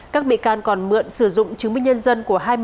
các bị can còn mượn sử dụng chứng minh nhân dân của hai mươi sáu